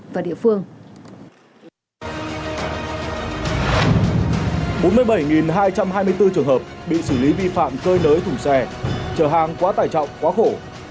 bốn mươi bảy hai trăm hai mươi bốn trường hợp bị xử lý vi phạm cơi nới thùng xe chở hàng quá tải trọng quá khổ